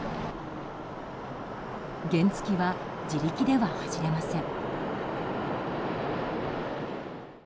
原付きは自力では走れません。